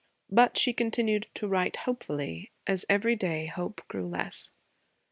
But she continued to write hopefully, as, every day, hope grew less.